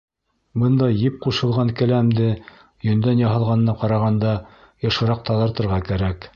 Бындай еп ҡушылған келәмде йөндән яһалғанына ҡарағанда йышыраҡ таҙартырға кәрәк.